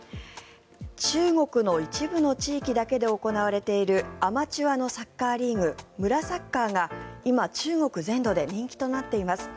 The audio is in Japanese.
中国の一部の地域だけで行われているアマチュアのサッカーリーグ村サッカーが今、中国全土で人気となっています。